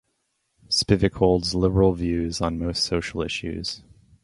Spivak holds liberal views on most social issues.